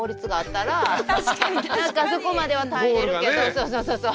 そうそうそうそう。